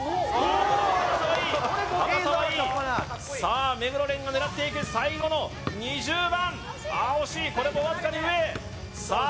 高さはいい高さはいいさあ目黒蓮が狙っていく最後の２０番ああ惜しいこれもわずかに上さあ